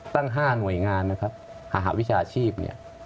ตั้ง๕หน่วยงานนะครับหาวิชาชีพเนี่ย